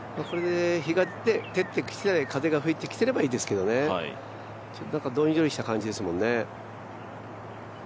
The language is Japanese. これで日が照ってきて風が吹いてきていればいいんですけどね、どんよりした感じですもんね。